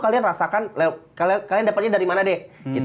kalian rasakan kalian dapatnya dari mana deh